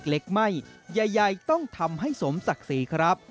เล็กไหม้ใหญ่ต้องทำให้สมศักดิ์ศรีครับ